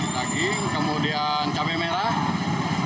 daging kemudian cabai merah